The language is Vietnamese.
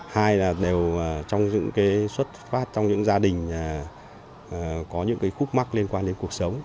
hai là đều trong những cái xuất phát trong những gia đình có những cái khúc mắc liên quan đến cuộc sống